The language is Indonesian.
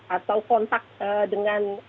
atau kontak dengan